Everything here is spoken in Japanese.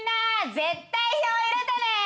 絶対票入れてね！